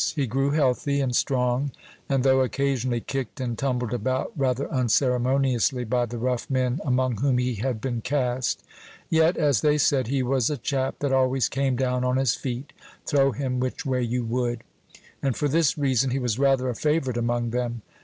He grew healthy and strong, and though occasionally kicked and tumbled about rather unceremoniously by the rough men among whom he had been cast, yet, as they said, "he was a chap that always came down on his feet, throw him which way you would;" and for this reason he was rather a favorite among them.